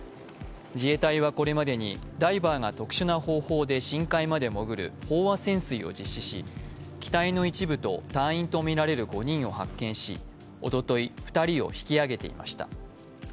自衛隊はこれまでに、ダイバーが特殊な方法で深海まで潜る飽和潜水を実施し、機体の一部と隊員とみられる５人を発見しおととい、２人を引き揚げていました。